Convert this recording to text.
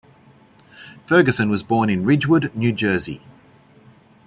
Ferguson was born in Ridgewood, New Jersey.